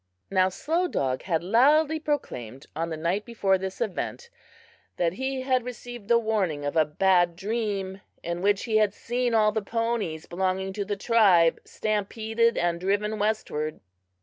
Now Slow Dog had loudly proclaimed, on the night before this event, that he had received the warning of a bad dream, in which he had seen all the ponies belonging to the tribe stampeded and driven westward.